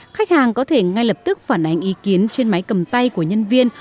khách hàng có thể ngay lập tức phản ánh ý kiến trên máy cầm tay của nhân viên